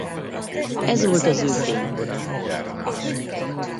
Ez volt az ő fénykora.